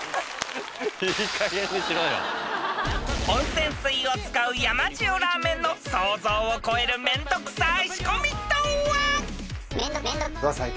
［温泉水を使う山塩ラーメンの想像を超えるめんどくさい仕込みとは？］